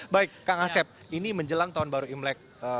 baik kang asep ini menjelang tahun baru imlek